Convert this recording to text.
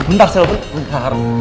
bentar sel bentar